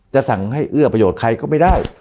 จะสั่งให้เอื้อประโยชน์ใครก็ไม่ได้